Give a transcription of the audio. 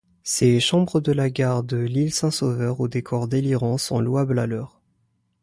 Ces chambres de la Gare de Lille-Saint-Sauveur aux décors délirants sont louables à l’heure.